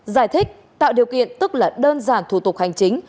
giải thích tạo điều kiện tức là đơn giản thủ tục hành chính